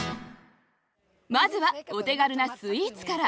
まずはお手軽なスイーツから。